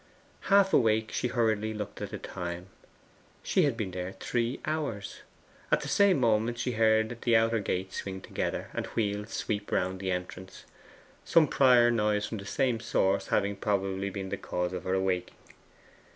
Half awake, she hurriedly looked at the time. She had been there three hours. At the same moment she heard the outer gate swing together, and wheels sweep round the entrance; some prior noise from the same source having probably been the cause of her awaking.